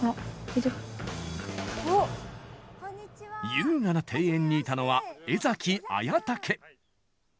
優雅な庭園にいたのは江崎文武。